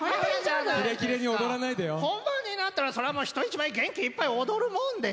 本番になったらそりゃ人一倍元気いっぱい踊るもんでしょ。